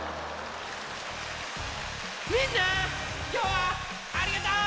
みんなきょうはありがとう！